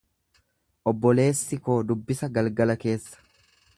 Obboleessi koo dubbisa galgala keessa.